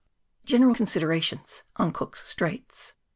General Considerations on Cook's Straits.